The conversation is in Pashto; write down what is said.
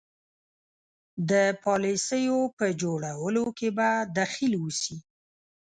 د پالیسیو په جوړولو کې به دخیل اوسي.